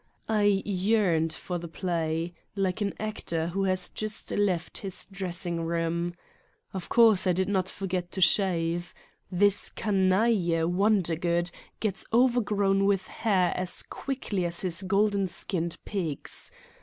I yearned for the play, like an actor who has just left his dressing room. Of course I did not forget to shave. This canaille Wonder good gets overgrown with hair as quickly as his golden skinned pigs.